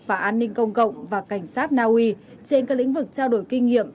và cảnh sát naui trên các lĩnh vực trao đổi kinh nghiệm